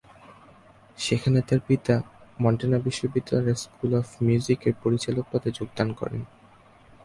সেখানে তার পিতা মন্টানা বিশ্ববিদ্যালয়ের স্কুল অব মিউজিকের পরিচালক পদে যোগদান করেন।